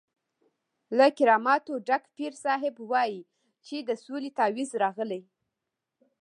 له کراماتو ډک پیر صاحب وایي چې د سولې تعویض راغلی.